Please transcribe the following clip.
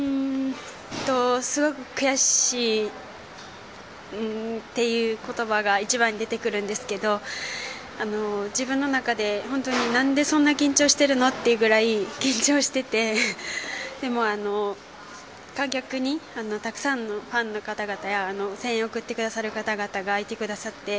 すごく悔しいという言葉が一番に出てくるんですが自分の中でなんでそんなに緊張しているのというぐらい緊張していてでも、たくさんのファンの方々や声援を送ってくださる方々がいてくださって